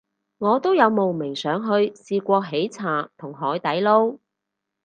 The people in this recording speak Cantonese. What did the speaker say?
我都有慕名上去試過喜茶同海底撈